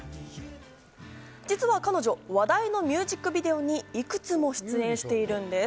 実は彼女、話題のミュージックビデオにいくつも出演しているんです。